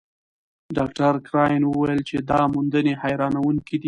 ډاکټر کرایان وویل چې دا موندنې حیرانوونکې دي.